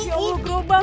ya allah gomang